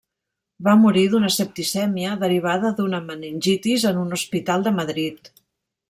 Va morir d'una septicèmia derivada d'una meningitis en un hospital de Madrid.